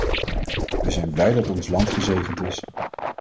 We zijn blij dat ons land gezegend is.